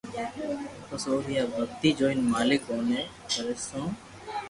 پسو اوري آ ڀگتي جوئين مالڪ اوتي پرسن